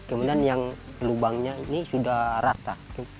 kemudian yang lubangnya ini sudah rata